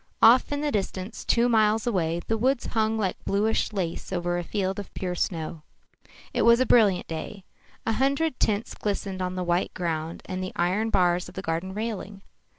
Off in the distance, two miles away, the woods hung like bluish lace over a field of pure snow. It was a brilliant day. A hundred tints glistened on the white ground and the iron bars of the garden railing.